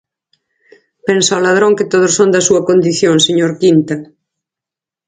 Pensa o ladrón que todos son da súa condición, señor Quinta.